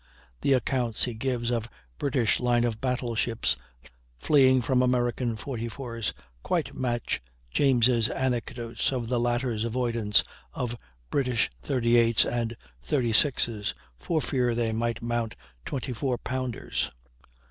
The accounts he gives of British line of battle ships fleeing from American 44's quite match James' anecdotes of the latter's avoidance of British 38's and 36's for fear they might mount twenty four pounders.